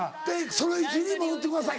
「その位置に戻ってください」。